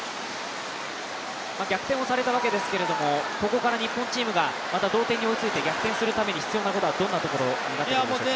逆転されたわけですけれども、ここから日本チームがまた同点に追いついて逆転するために必要なことはどんなことになってくるでしょうか？